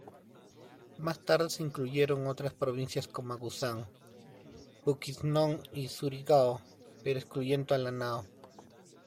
Más tarde se incluyeron otras provincias como Agusan, Bukidnon y Surigao pero excluyendo Lanao.